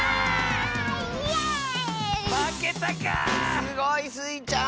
すごいスイちゃん！